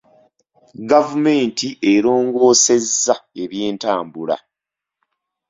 Gavumenti erongoosezza ebyentambula.